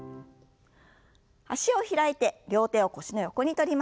脚を開いて両手を腰の横に取りましょう。